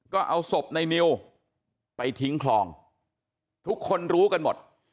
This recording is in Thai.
ก็เอาศพในนิวไปทิ้งคลองทุกคนรู้กันหมด